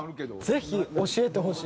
ぜひ教えてほしい。